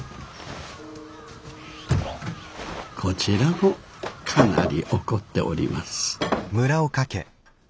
こちらもかなり怒っております。